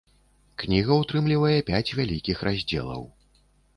Кніга ўтрымлівае пяць вялікіх раздзелаў.